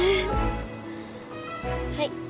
はい。